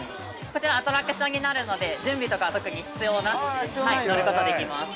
◆こちらアトラクションになるので準備とかは特に必要なしで乗ることできます。